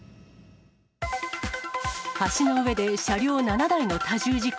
橋の上で車両７台の多重事故。